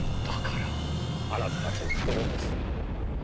だからあなただと言ってるんです。